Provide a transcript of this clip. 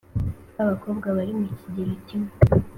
babakobwa barimukigero cyawe